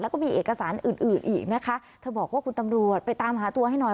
แล้วก็มีเอกสารอื่นอื่นอีกนะคะเธอบอกว่าคุณตำรวจไปตามหาตัวให้หน่อย